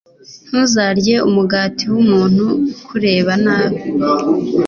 ntuzarye umugati w'umuntu ukureba nabi